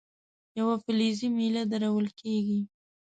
یوه فلزي میله درول کیږي.